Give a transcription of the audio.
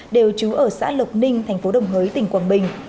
đều trú ở xã lộc ninh thành phố đồng hới tỉnh quảng bình